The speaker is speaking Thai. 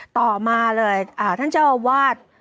ต่อมาเลยท่านเจ้าอาวาส